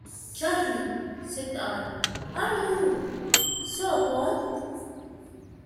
"Charley," said I, "are you so cold?"